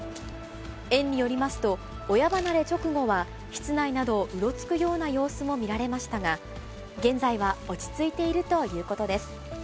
園によりますと、親離れ直後は室内などうろつくような様子も見られましたが、現在は落ち着いているということです。